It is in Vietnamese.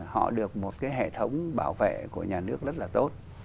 họ được một cái hệ thống bảo vệ của nhà nước rất là tốt